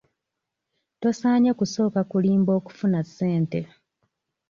Tosaanye kusooka kulimba okufuna ssente.